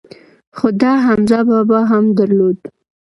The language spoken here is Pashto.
خو ده حمزه بابا هم درلود.